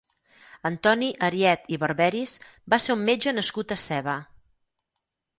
Antoni Ariet i Barberis va ser un metge nascut a Seva.